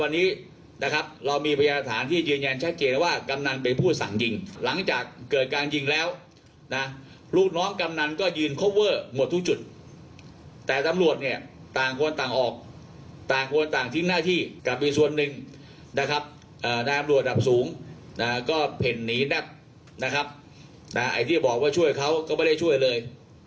นายตำรวจระดับสูงเห็นหนีนไอ้ที่บอกว่าช่วยเขาก็ไม่ได้ช่วยเลย